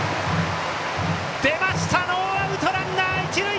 出ましたノーアウトランナー、一塁。